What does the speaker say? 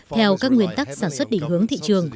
theo các nguyên tắc sản xuất định hướng thị trường